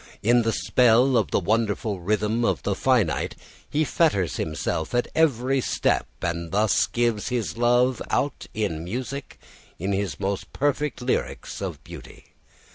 In the spell of the wonderful rhythm of the finite he fetters himself at every step, and thus gives his love out in music in his most perfect lyrics of beauty.